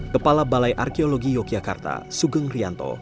kepala balai arkeologi yogyakarta sugeng rianto